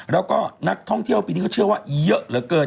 แล้วก็นักท่องเที่ยวปีนี้เขาเชื่อว่าเยอะเหลือเกิน